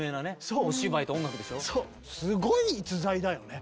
すごい逸材だよね。